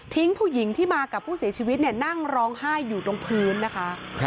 ผู้หญิงที่มากับผู้เสียชีวิตเนี่ยนั่งร้องไห้อยู่ตรงพื้นนะคะ